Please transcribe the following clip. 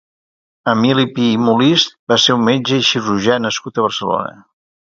Emili Pi i Molist va ser un metge i cirurgià nascut a Barcelona.